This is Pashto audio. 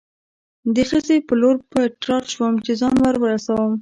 د خزې په لور په تراټ شوم، چې ځان ور ورسوم.